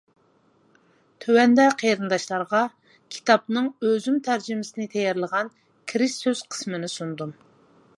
تۆۋەندە قېرىنداشلارغا كىتابنىڭ ئۆزۈم تەرجىمىسىنى تەييارلىغان كىرىش سۆز قىسمىنى سۇندۇم.